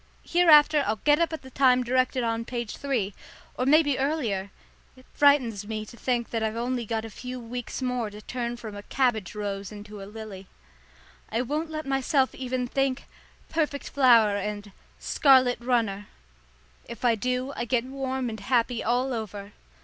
Hereafter I'll get up at the time directed on page three, or maybe earlier. It frightens me to think that I've got only a few weeks more to turn from a cabbage rose into a lily. I won't let myself even think "perfect flower" and "scarlet runner." If I do, I get warm and happy all over.